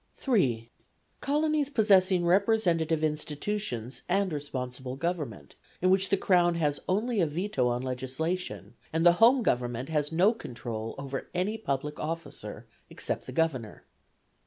3. Colonies possessing representative institutions and responsible government, in which the Crown has only a veto on legislation, and the Home Government has no control over any public officer except the Governor.